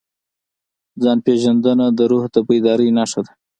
ځان پېژندنه د روح د بیدارۍ نښه ده.